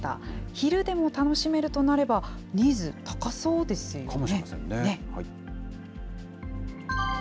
昼でも楽しめるとなれば、ニーズ、かもしれませんね。